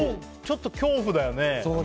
ちょっと恐怖だよね。